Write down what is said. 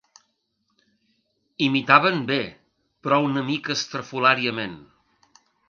Imitaven bé, però una mica estrafolàriament.